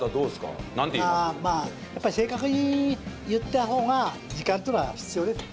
やっぱり正確に言った方が時間っていうのは必要ですよね。